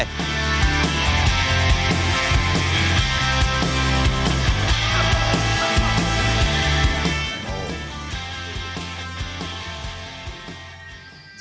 สวัสดีครับ